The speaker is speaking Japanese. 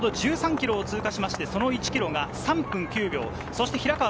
１３ｋｍを通過して、その１ｋｍが３分９秒。